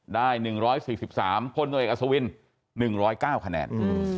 ได้๑๔๓คนโดยอัศวิน๑๐๙คะแนน